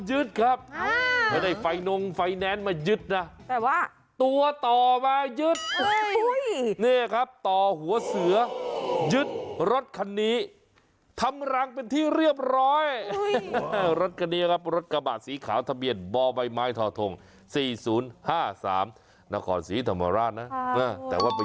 ฮือห้ากันหน่อยนะครับหลับว่ารถคันนึงจอดถิงเอาไว้นาน